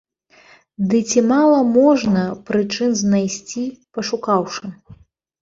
Ды ці мала можна прычын знайсці, пашукаўшы.